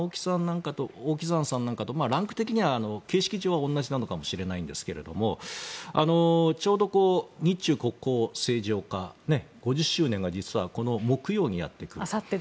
オウ・キザンさんなんかと形式的には同じかもしれないんですがちょうど日中国交正常化５０周年が実はこの木曜にやってくる。